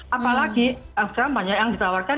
apalagi rampanya yang ditawarkan